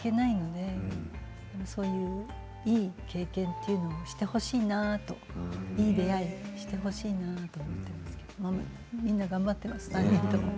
でもそういういい経験というのをしてほしいなといい出会いをしてほしいなと思っていますけれどみんな頑張っています、３人とも。